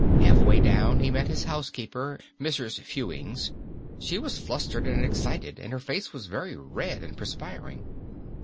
Half way down he met his housekeeper, Mrs. Fewings. She was flustered and excited, and her face was very red and perspiring.